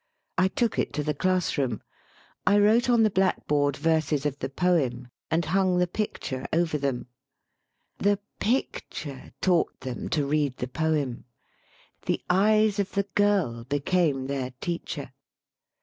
I took it to the class room. I wrote on the blackboard verses of the poem and hung the picture over them. The picture taught them to read the poem. The eyes of the girl be 114 LYR1G POETRY came their teacher.